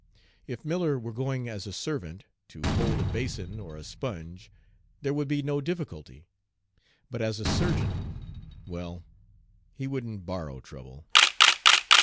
If Miller were going as a servant, to hold a basin or a sponge, there would be no difficulty; but as a surgeon well, he wouldn't borrow trouble.